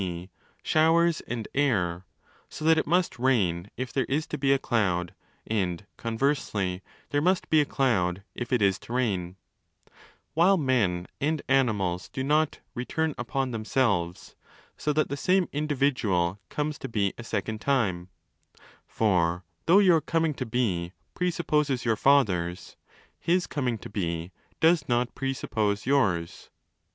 g., showers and air, so that it must rain if there is to be a cloud and, conversely, there must be a cloud if it is to rain), while men and animals do not 'return upon themselves' so that the same individual το comes to be a second time (for though your coming to be presupposes your father's, his coming to be does not pre suppose yours)?